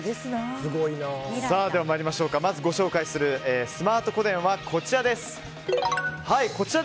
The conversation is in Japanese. まずご紹介するスマート個電はこちら。